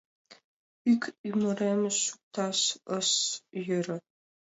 Ик ӱмырем шукташ ыш йӧрӧ.